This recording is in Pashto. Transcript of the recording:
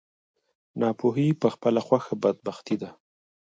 ناپوهي په خپله خوښه بدبختي ده.